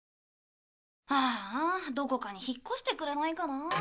ああどこかに引っ越してくれないかな。